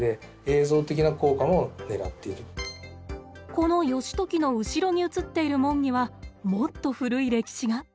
この義時の後ろに映っている門にはもっと古い歴史が。